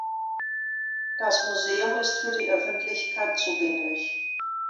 Das Museum ist für die Öffentlichkeit zugänglich.